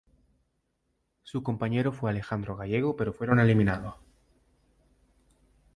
Su compañero fue Alejandro Gallego pero fueron eliminados.